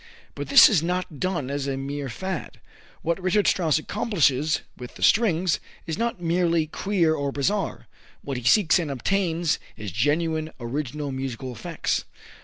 But this is not done as a mere fad. What Richard Strauss accomplishes with the strings is not merely queer or bizarre. What he seeks and obtains is genuine original musical effects.